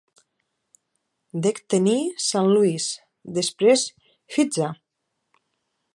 Dec tenir Saint Louis, després Huzza!